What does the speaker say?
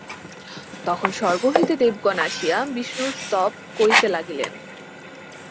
তখন স্বর্গ হইতে দেবগণ আসিয়া বিষ্ণুর স্তব করিতে লাগিলেন।